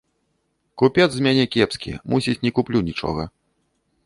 Купец з мяне кепскі, мусіць, не куплю нічога.